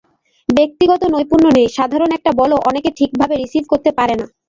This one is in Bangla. ব্যক্তিগত নৈপুণ্য নেই, সাধারণ একটা বলও অনেকে ঠিকভাবে রিসিভ করতে পারে না।